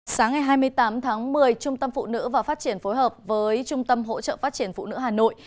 sáng ngày hai mươi tám tháng một mươi trung tâm phụ nữ và phát triển phối hợp với trung tâm hỗ trợ phát triển phụ nữ hà nội